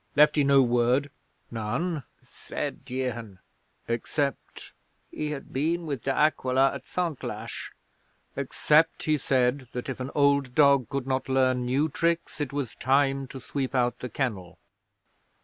Left he no word?" '"None," said Jehan, "except" he had been with De Aquila at Santlache "except he said that if an old dog could not learn new tricks it was time to sweep out the kennel."